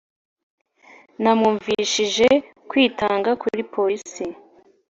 namwumvishije kwitanga kuri polisi.